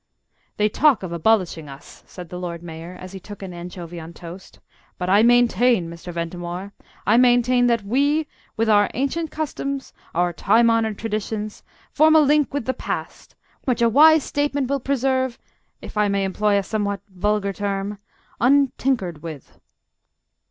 "They talk of abolishing us," said the Lord Mayor, as he took an anchovy on toast; "but I maintain, Mr. Ventimore I maintain that we, with our ancient customs, our time honoured traditions, form a link with the past, which a wise statesman will preserve, if I may employ a somewhat vulgar term, untinkered with."